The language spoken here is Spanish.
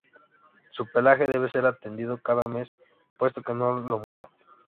Su pelaje debe ser atendido cada mes, puesto que no lo mudan.